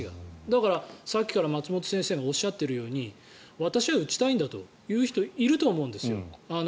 だから、さっきから松本先生がおっしゃっているように私は打ちたいんだという人はいると思うんですよ。